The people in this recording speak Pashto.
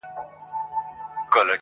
له نيکه را پاته سوی په ميراث دی٫